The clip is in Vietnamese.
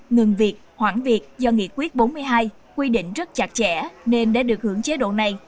ngừng việc hoãn việc do nghị quyết bốn mươi hai quy định rất chặt chẽ nên để được hưởng chế độ này